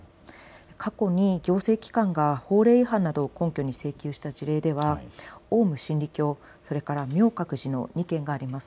過去に行政機関が法令違反などを根拠に請求した事例ではオウム真理教、それから明覚寺の２件があります。